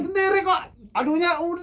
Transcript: sendiri kok adunya udah